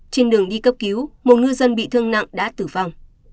trên đường đi cấp cứu một ngư dân bị thương nặng đã tử vong